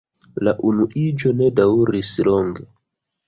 La unuiĝo ne daŭris longe.